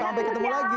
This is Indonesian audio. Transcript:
sampai ketemu lagi